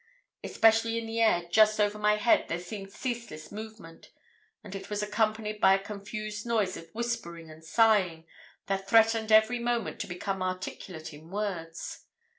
Especially in the air just over my head there seemed ceaseless movement, and it was accompanied by a confused noise of whispering and sighing that threatened every moment to become articulate in words.